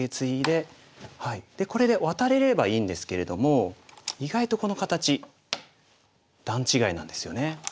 でこれでワタれればいいんですけれども意外とこの形段違いなんですよね。